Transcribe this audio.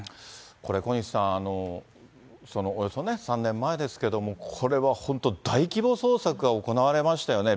これ、小西さん、およそ３年前ですけれども、これは本当、大規模捜索が行われましたよね。